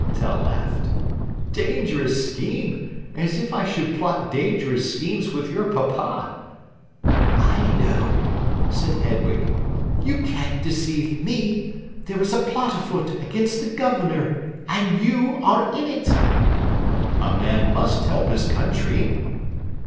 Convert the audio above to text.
Tell laughed. "Dangerous scheme! As if I should plot dangerous schemes with your papa!" "I know," said Hedwig. "You can't deceive me! There is a plot afoot against the Governor, and you are in it." "A man must help his country."